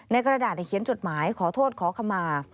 กระดาษเขียนจดหมายขอโทษขอขมา